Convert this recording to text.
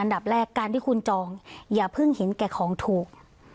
ดับแรกการที่คุณจองอย่าเพิ่งเห็นแก่ของถูก